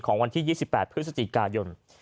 วันที่๒๘พฤศจิกายน